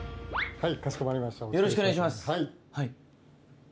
はい。